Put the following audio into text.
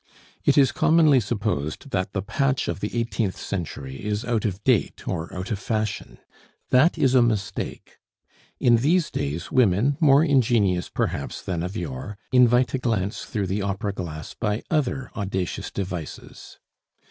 It is commonly supposed that the patch of the eighteenth century is out of date or out of fashion; that is a mistake. In these days women, more ingenious perhaps than of yore, invite a glance through the opera glass by other audacious devices.